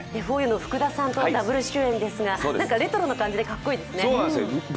ふぉゆの福田さんとダブル主演ですがレトロな感じでかっこいいですね。